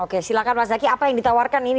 oke silahkan mas zaky apa yang ditawarkan ini